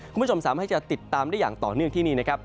คุณผู้ชมสามารถให้จะติดตามได้อย่างต่อเนื่องที่นี่นะครับ